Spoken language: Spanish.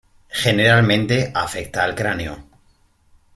Generalmente afecta al cráneo.